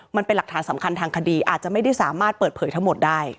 มันเป็นหลักฐานสำคัญทางคดีอาจจะไม่ได้สามารถเปิดเผยทั้งหมดได้